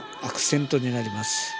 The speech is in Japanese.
アクセントになります。